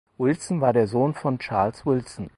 Wilson war der Sohn von Charles Wilson.